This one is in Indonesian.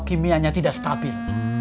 kimianya tidak stabil